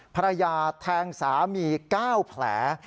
ภรรยาแทงสามีก้าวแผล